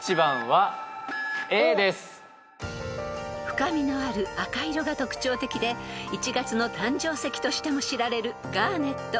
［深みのある赤色が特徴的で１月の誕生石としても知られるガーネット］